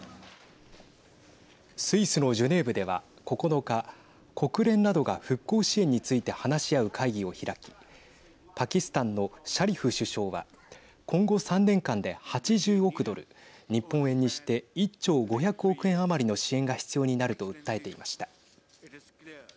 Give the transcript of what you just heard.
スイスのジュネーブでは９日国連などが復興支援について話し合う会議を開きパキスタンのシャリフ首相は今後３年間で８０億ドル日本円にして１兆５００億円余りの支援が必要になると訴えていました。